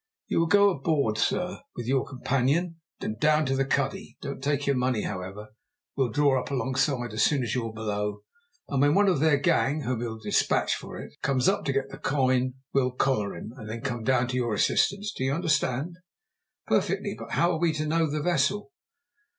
You will go aboard, sir, with your companion, and down to the cuddy. Don't take your money, however. We'll draw up alongside as soon as you're below, and when one of their gang, whom you'll despatch for it, comes up to get the coin, we'll collar him, and then come to your assistance. Do you understand?" "Perfectly. But how are we to know the vessel?"